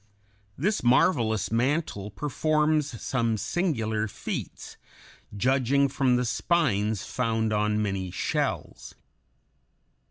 This marvelous mantle performs some singular feats, judging from the spines found on many shells.